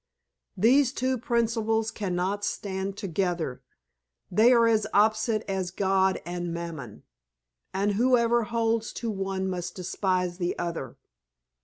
These two principles cannot stand together. They are as opposite as God and Mammon; and whoever holds to one must despise the other.